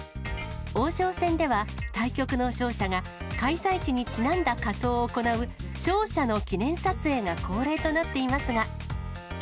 王将戦では、対局の勝者が開催地にちなんだ仮装を行う、勝者の記念撮影が恒例となっていますが。